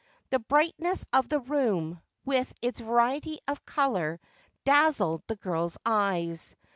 The brightness of the room, with its variety of colour, dazzled the girl's eyes.